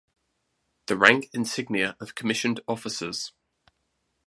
The rank insignia of commissioned officers.